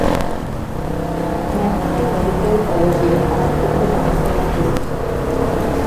National medical কলেজে তার দেহ দান করা হয়েছে।